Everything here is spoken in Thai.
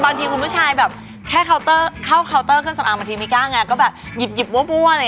บางทีคุณผู้ชายแบบแค่เข้าเครื่องสำอางไม่กล้างก็แบบหยิบมั่ว